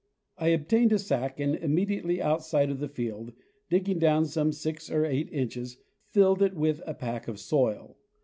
I obtained a sack and immediately outside of the field, digging down some 6 or 8 inches, filled it with a peck of soil.